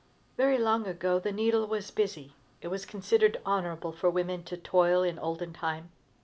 Very long ago the needle was busy. It was considered honorable for women to toil in olden time.